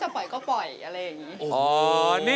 ถ้าปล่อยก็ปล่อยอะไรอย่างนี้